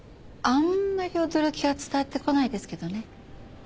あんまり驚きは伝わってこないですけどね。